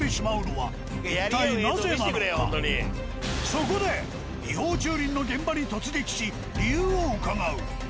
そこで違法駐輪の現場に突撃し理由を伺う。